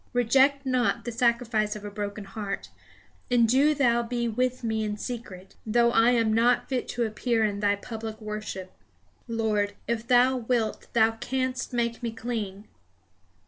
Reject not the sacrifice of a broken heart, and do Thou be with me in secret, though I am not fit to appear in Thy public worship. Lord, if Thou wilt Thou canst make me clean.